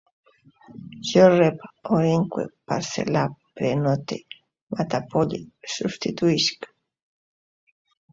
Jo rep, orinque, parcel·lar, prenote, matapolle, substituïsc